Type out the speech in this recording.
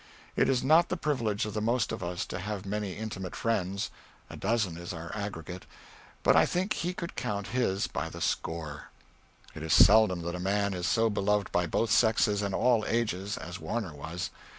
It is not the privilege of the most of us to have many intimate friends a dozen is our aggregate but I think he could count his by the score. It is seldom that a man is so beloved by both sexes and all ages as Warner was.